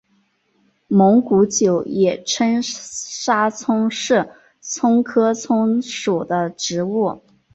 蒙古韭也称沙葱是葱科葱属的植物。